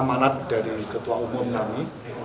amanat dari ketua umum kami